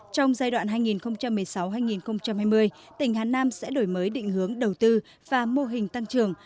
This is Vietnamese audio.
trong giai đoạn hai nghìn một mươi sáu hai nghìn hai mươi tỉnh hà nam sẽ đổi mới định hướng đầu tư và mô hình tăng trưởng